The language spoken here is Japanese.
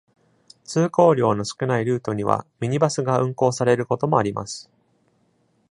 通行量の少ないルートにはミニバスが運行されることもあります。